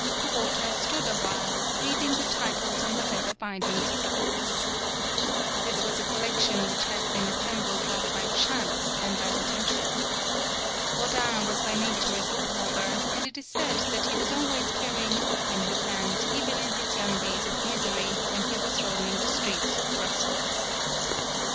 Kubota stood a while reading the 47 PAULOWNIA titles on the leather bindings of the books. This was a collection which had been assembled rather by chance than by intention. Rodin was by nature a book lover, and it is said that he was always carrying a book in his hand even in his young days of misery, when he was roaming the streets of Brussels.